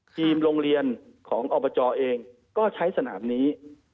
ทีมโรงเรียนของอบจเองก็ใช้สนามนี้